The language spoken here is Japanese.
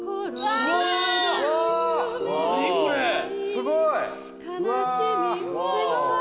すごーい！